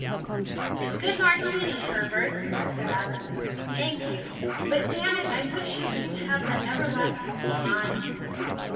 "It's a good martini, Herbert," said Alice. "Thank you. But, dammit, I wish you didn't have that everlasting smile!"